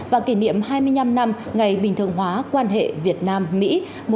và kỷ niệm hai mươi năm năm ngày bình thường hóa quan hệ việt nam mỹ một nghìn chín trăm chín mươi năm hai nghìn hai mươi